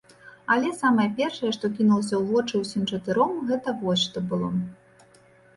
Але самае першае, што кінулася ў вочы ўсім чатыром, гэта вось што было.